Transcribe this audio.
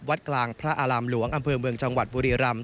วัดกลางพระอารามหลวงอำเภอเมืองจังหวัดบุรีรำ